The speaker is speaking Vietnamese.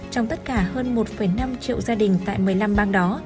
trong tất cả hơn một năm triệu gia đình tại một mươi năm bang đó